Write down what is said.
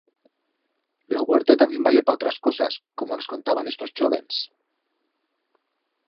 Lo huerto tamién vale pa otras cosas, como nos contaban estos chóvens.